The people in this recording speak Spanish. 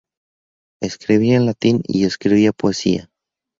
Escribía en latín y escribía poesía.